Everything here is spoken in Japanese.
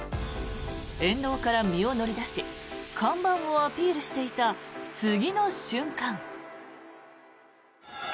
沿道から身を乗り出し看板をアピールしていた次の瞬間。